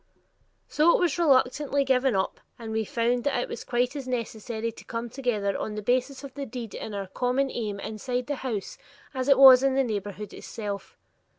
So it was reluctantly given up, and we found that it was quite as necessary to come together on the basis of the deed and our common aim inside the household as it was in the neighborhood itself.